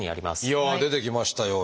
いやあ出てきましたよ。